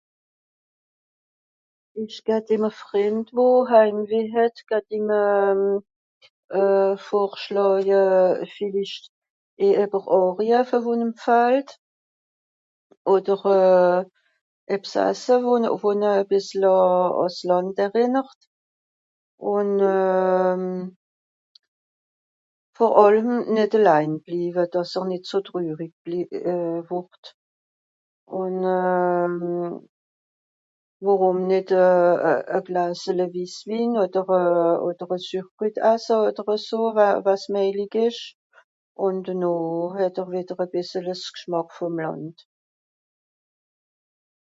Ìch datt ìm e frìnd wo heimweh het datt i 'm vorschàje vìllicht äbber (...), odder ebbs asse wo ne... wo ne bìssel à... à s'lànd errìnnert, ùn vor àllem nìt elein bliwe, dàss er nìt so trürig bli... wùrd. Ùn worùm nìt e... e...e glasele wisswin odder e... odder e Sürkrütt asse odder eso, wà... wàs mejlig ìsch. Ùn denoh het'r wìdder e bìssel s'Gschmack vom Lànd.